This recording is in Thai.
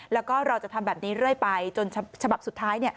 แล้วก็เราจะทำแบบนี้เรื่อยไปจนฉบับสุดท้าย